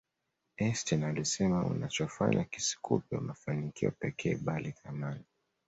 Einstein alisema unachofanya kisikupe mafanikio pekee bali thamani